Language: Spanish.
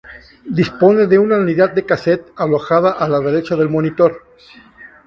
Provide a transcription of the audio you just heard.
Dispone de una unidad de casete alojada a la derecha del monitor.